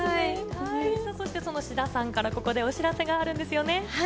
そしてその志田さんから、ここでお知らせがあるんですよね。